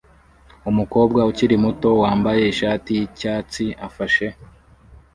Umukobwa ukiri muto wambaye ishati yicyatsi afashe